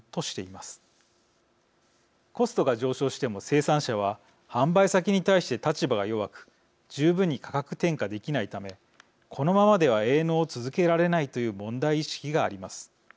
コストが上昇しても生産者は販売先に対して立場が弱く十分に価格転嫁できないためこのままでは営農を続けられないという問題意識があります。